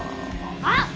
あっ！